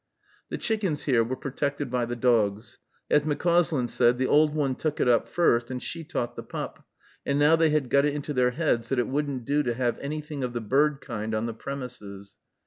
The chickens here were protected by the dogs. As McCauslin said, "The old one took it up first, and she taught the pup, and now they had got it into their heads that it wouldn't do to have anything of the bird kind on the premises."